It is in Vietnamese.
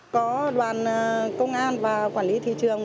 có đoàn công an và quản lý thị trường